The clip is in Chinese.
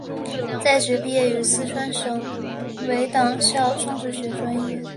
在职毕业于四川省委党校政治学专业。